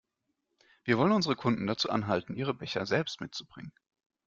Wir wollen unsere Kunden dazu anhalten, ihre Becher selbst mitzubringen.